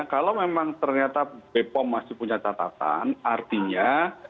kalau memang ternyata bepom masih punya catatan artinya